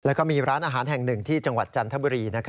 แล้วก็มีร้านอาหารแห่งหนึ่งที่จังหวัดจันทบุรี